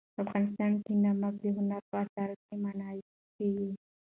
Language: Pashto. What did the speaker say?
افغانستان کې نمک د هنر په اثار کې منعکس کېږي.